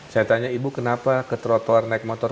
saya tanya ibu kenapa ke trotoar naik motor